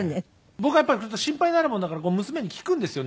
僕は心配になるもんだから娘に聞くんですよね